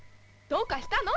どうかしたの？